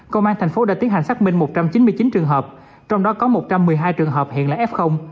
công an tp hcm đã tiến hành xác minh một trăm chín mươi chín trường hợp trong đó có một trăm một mươi hai trường hợp hiện là f